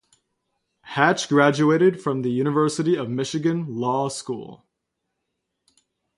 Hatch graduated from the University of Michigan Law School.